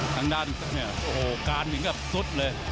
ทั้งด้านโอ้โหการเหมือนกับสุดเลย